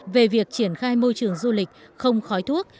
về việc triển khai môi trường du lịch không khói thuốc